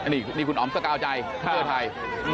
นี่คุณอ๋อมสกาวใจเพื่อไทย